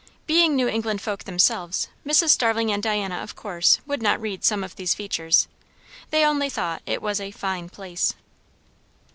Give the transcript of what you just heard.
Being New England folk themselves, Mrs. Starling and Diana of course would not read some of these features. They only thought it was a "fine place."